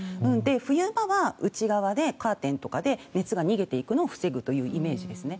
冬場は内側でカーテンとかで熱が逃げていくのを防ぐイメージですね。